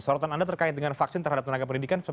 sorotan anda terkait dengan vaksin terhadap tenaga pendidikan